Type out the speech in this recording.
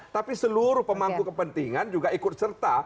tapi seluruh pemangku kepentingan juga ikut serta